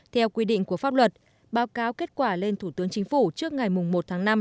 theo quy định của pháp luật báo cáo kết quả lên thủ tướng chính phủ trước ngày một tháng năm năm hai nghìn một mươi tám